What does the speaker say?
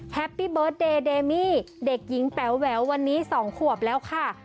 แฮปปี้เบิร์ตเดย์เดมี่เด็กหญิงแป๋วแหวววันนี้๒ขวบแล้วค่ะ